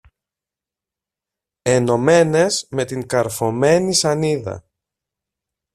ενωμένες με την καρφωμένη σανίδα.